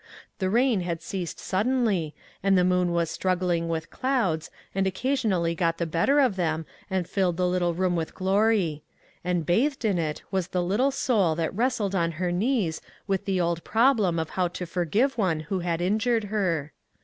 The rain had ceased suddenly and the moon was struggling with clouds, and occasionally got the better of them and filled the little room with glory; and bathed in it was the little soul that wrestled on her knees with the old prob lem of how to forgive one who had injured her.